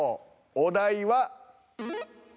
お題は。